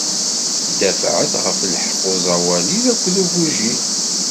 Dafɛet ɣef lḥeqq n uẓawali akked ugujil.